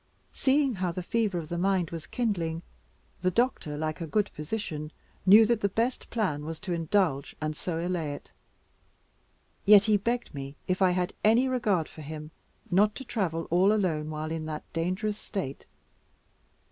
Seeing how the fever of the mind was kindling, the doctor, like a good physician, knew that the best plan was to indulge, and so allay it. Yet he begged me, if I had any regard for him, not to travel all alone while in that dangerous state.